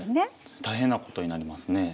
大変なことになりますね。